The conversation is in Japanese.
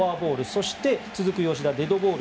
そして続く吉田、デッドボール。